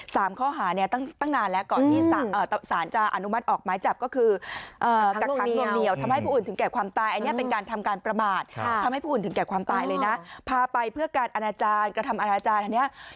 ลักษณะของน้ำอุ่นเนี่ยมันครบเท่าหมดเลย